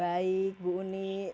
baik bu uni